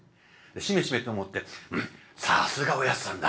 しめしめと思って「うんさすがおやっさんだ。